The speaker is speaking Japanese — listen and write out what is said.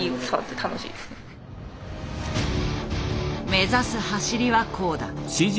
目指す走りはこうだ。